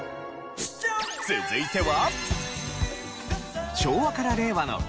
続いては。